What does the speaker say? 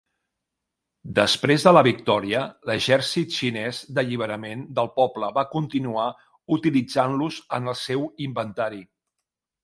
Després de la victòria, l'exèrcit xinès d'alliberament del poble va continuar utilitzant-los en el seu inventari.